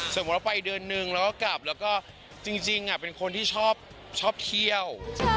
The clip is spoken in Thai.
สมมุติว่าไปเดือนนึงแล้วก็กลับแล้วก็จริงเป็นคนที่ชอบเที่ยว